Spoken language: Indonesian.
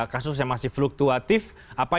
kasus yang masih fluktuatif